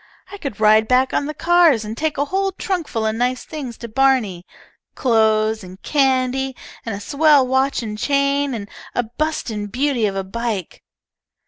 I could ride back on the cars and take a whole trunk full of nice things to Barney, clothes, and candy, and a swell watch and chain, and a bustin' beauty of a bike.